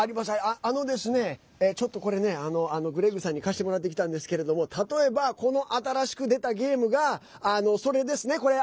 ちょっとこれ、グレッグさんに貸してもらってきたんですけど例えば、この新しく出たゲームがそれですね。